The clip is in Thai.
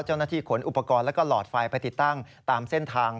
เจ้าหน้าที่ขนอุปกรณ์และก็ลอดไฟไปติดตั้งตามเส้นทาง